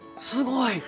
すごい。